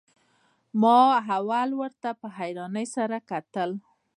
ما اول ورته په حيرانۍ سره کتل.